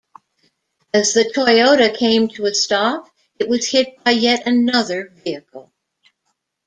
As the Toyota came to a stop, it was hit by yet another vehicle.